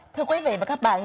thưa quý vị và các bạn